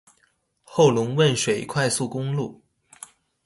後龍汶水快速公路